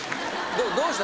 どうした？